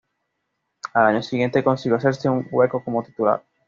Al año siguiente consiguió hacerse un hueco como titular.